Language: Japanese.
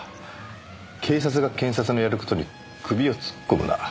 警察が検察のやる事に首を突っ込むな。